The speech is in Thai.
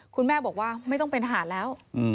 คุณแม่บอกว่าไม่ต้องเป็นทหารแล้ว